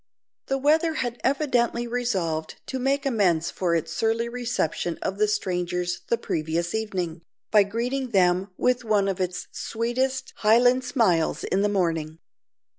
The weather had evidently resolved to make amends for its surly reception of the strangers the previous evening, by greeting them with one of its sweetest Highland smiles in the morning.